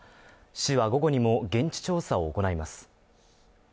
市は午後にも現地調査を行います。